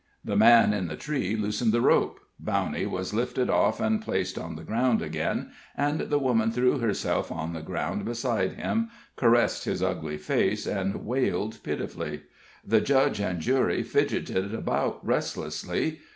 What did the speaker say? "] The man in the tree loosened the rope, Bowney was lifted off and placed on the ground again, and the woman threw herself on the ground beside him, caressed his ugly face, and wailed pitifully. The judge and jury fidgeted about restlessly.